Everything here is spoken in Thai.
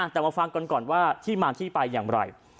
แต่มาฟังกันก่อนว่าที่มาที่ไปอย่างไร